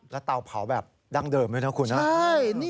แล้วเตาเผาแบบดั้งเดิมด้วยนะคุณนะ